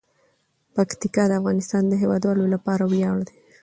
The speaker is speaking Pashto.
پکتیکا د افغانستان د هیوادوالو لپاره ویاړ دی.